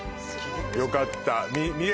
よかった